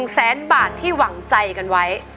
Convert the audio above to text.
๑แสนบาทที่หวังใจกันไว้